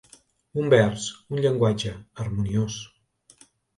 Un vers, un llenguatge, harmoniós.